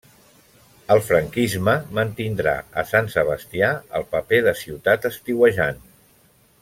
El franquisme mantindrà a Sant Sebastià el paper de ciutat estiuejant.